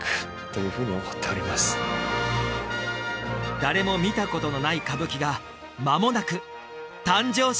誰も見たことのない歌舞伎がまもなく誕生します